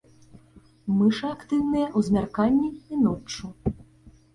Мышы актыўныя ў змярканні і ноччу.